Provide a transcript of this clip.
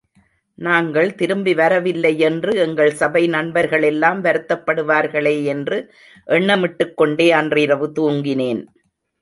நாங்கள் திரும்பி வரவில்லையேயென்று எங்கள் சபை நண்பர்களெல்லாம் வருத்தப்படுவார்களேயென்று, எண்ணமிட்டுக்கொண்டே அன்றிரவு தூங்கினேன்.